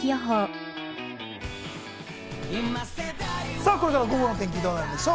さあこれから午後の天気どうなるでしょう？